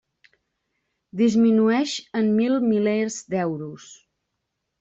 Disminueix en mil milers d'euros.